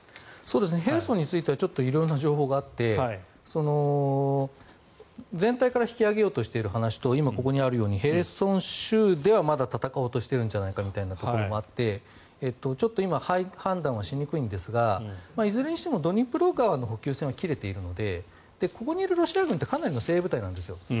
ヘルソンについては色んな情報があって全体から引き揚げようとしている話と今、ここにあるようにヘルソン州ではまだ戦おうとしているんじゃないかみたいなところがあってちょっと今判断しにくいんですがいずれにしてもドニプロ川の補給線は切れているのでここにいるロシア軍ってかなりの精鋭部隊なんです。